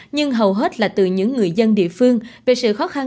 nhưng hầu hết là từ những người dân địa phương về sự khó khăn